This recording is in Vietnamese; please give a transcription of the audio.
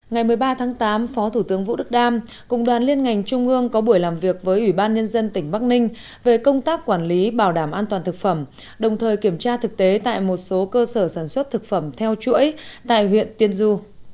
ngày một mươi ba tháng tám phó thủ tướng vũ đức đam cùng đoàn liên ngành trung ương có buổi làm việc với ủy ban nhân dân tỉnh bắc ninh về công tác quản lý bảo đảm an toàn thực phẩm đồng thời kiểm tra thực tế tại một số cơ sở sản xuất thực phẩm theo chuỗi tại huyện tiên du